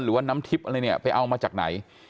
หรือน้ำทิปอะไรเนี่ยไปเอามาจากไหน